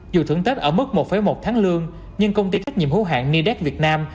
dù thưởng tết ở mức một một tháng lương nhưng công ty trách nhiệm hữu hạn nidex việt nam